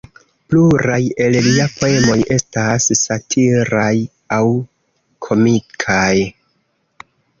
Pluraj el lia poemoj estas satiraj aŭ komikaj.